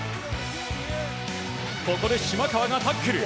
ここで島川がタックル。